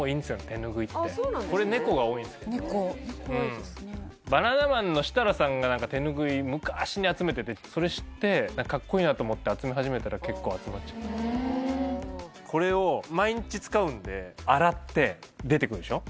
手ぬぐいってこれ猫が多いんすけどバナナマンの設楽さんが手ぬぐい昔集めててそれ知ってかっこいいなと思って集め始めたら結構集まっちゃってこれを毎日使うんで洗って出てくるでしょ